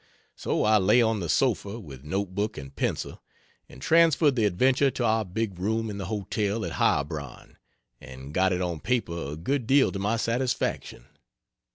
So I lay on the sofa, with note book and pencil, and transferred the adventure to our big room in the hotel at Heilbronn, and got it on paper a good deal to my satisfaction.